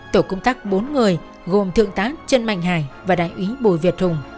tổ công tác bốn người gồm thượng tá trân mạnh hải và đại úy bồi việt hùng